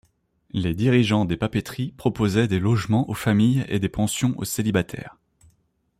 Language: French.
Les dirigeants des papeteries proposaient des logements aux familles et des pensions aux célibataires.